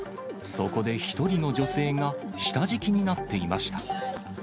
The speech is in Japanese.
そこで１人の女性が下敷きになっていました。